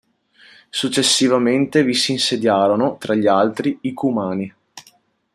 Successivamente vi si insediarono, tra gli altri, i Cumani.